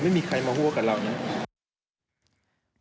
ไม่มีใครมาหัวกับเราเนี่ย